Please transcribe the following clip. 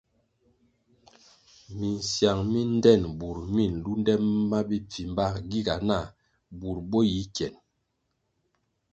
Misiang mi ndtenbur mi nlunde ma bipfimba giga nah bur bo yi kien.